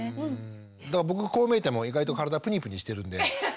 だから僕こう見えても意外と体プニプニしてるんで。